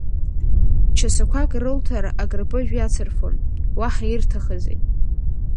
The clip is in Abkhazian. Часақәак рылҭар акырпыжә иацырфон, уаҳа ирҭахызи.